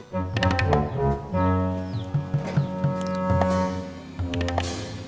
kenapa kamu bilang gak usah repot repot